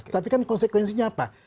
tapi kan konsekuensinya apa